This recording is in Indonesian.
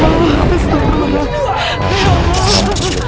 tunggu pak ustadz